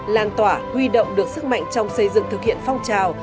lan tỏa huy động được sức mạnh trong xây dựng thực hiện phong trào